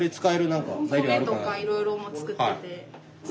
米とかいろいろ作ってて。